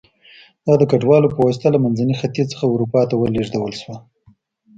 دا د کډوالو په واسطه له منځني ختیځ څخه اروپا ته ولېږدول شوه